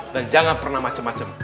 dan jangan pernah macem macem